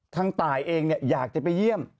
ตายเองอยากจะไปเยี่ยม